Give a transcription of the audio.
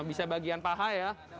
bisa bagian paha ya